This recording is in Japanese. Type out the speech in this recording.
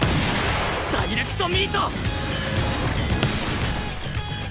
ダイレクトミート！